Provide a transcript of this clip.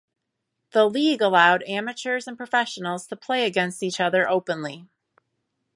The league allowed amateurs and professionals to play against each other openly.